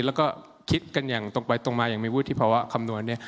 แล้วก็คิดกันอย่างตรงไปตรงมาอย่างมีวุฒิภาวะคำนวณเนี่ย